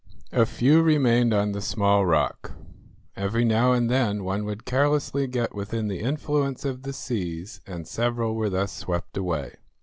A few remained on the small rock. Every now and then one would carelessly get within the influence of the seas, and several were thus swept away.